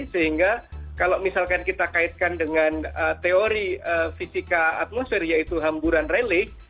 sehingga kalau misalkan kita kaitkan dengan teori fisika atmosfer yaitu hamburan relik